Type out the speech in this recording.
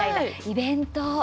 イベント。